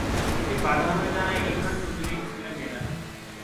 এতে বাধা হয়ে দাঁড়ায় ইমরান চৌধুরীর ছেলেমেয়েরা।